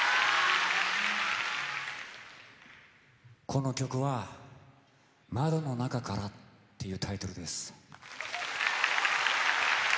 この曲は「窓の中から」っていうタイトルです。